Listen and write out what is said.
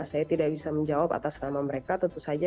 saya tidak bisa menjawab atas nama mereka tentu saja